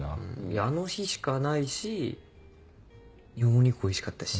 あの日しかないしお肉おいしかったし。